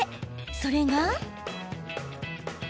それが。